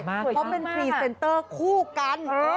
เพราะเป็นพรีเซนเตอร์คู่กัน